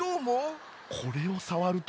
これをさわると。